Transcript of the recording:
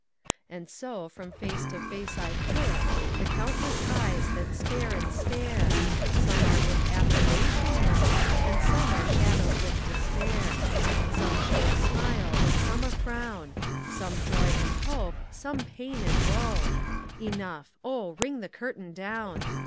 And so from face to face I flit, The countless eyes that stare and stare; Some are with approbation lit, And some are shadowed with despair. Some show a smile and some a frown; Some joy and hope, some pain and woe: Enough! Oh, ring the curtain down!